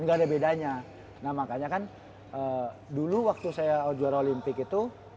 nggak ada bedanya nah makanya kan dulu waktu saya juara olimpik itu